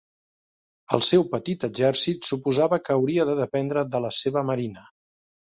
El seu petit exèrcit suposava que hauria de dependre de la seva marina.